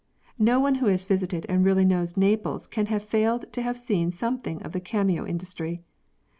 No one who has visited and really knows Naples, can have failed to have seen something of the cameo industry.